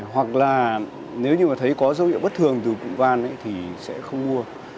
hoặc là nếu như mà thấy có dấu hiệu bất thường từ cụm van thì sẽ không mua